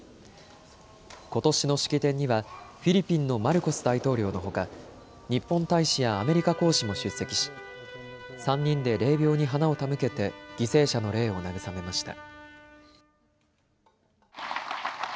ことしの式典にはフィリピンのマルコス大統領のほか日本大使やアメリカ公使も出席し３人で霊びょうに花を手向けて犠牲者の霊を慰めました。